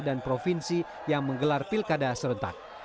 dan provinsi yang menggelar pilkada serentak